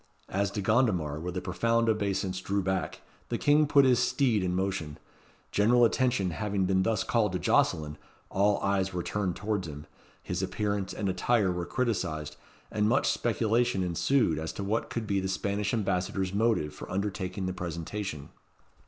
As De Gondomar with a profound obeisance drew back, the King put his steed in motion. General attention having been thus called to Jocelyn, all eyes were turned towards him, his appearance and attire were criticised, and much speculation ensued as to what could be the Spanish Ambassador's motive for undertaking the presentation.